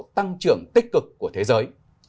tăng trưởng tích cực của thế giới